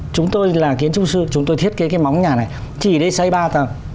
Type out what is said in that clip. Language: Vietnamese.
chúng tôi là kiến trúc sư chúng tôi thiết kế cái móng nhà này chỉ đây xây ba tầng